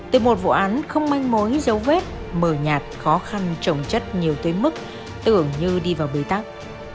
từ một vụ án không manh mối dấu vết mờ nhạt khó khăn trồng chất nhiều tuyến mức tưởng như đi vào bế tắc